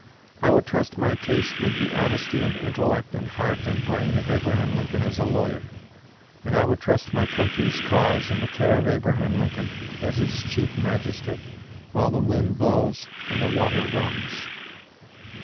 I would trust my case with the honesty and intellect and heart and brain of Abraham Lincoln as a lawyer; and I would trust my country's cause in the care of Abraham Lincoln as its chief magistrate, while the wind blows and the water runs."